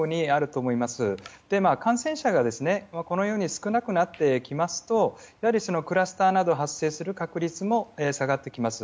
というのは、感染者がこのように少なくなってきますとやはりクラスターなど発生する確率も下がってきます。